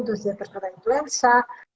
terus dia terkena influenza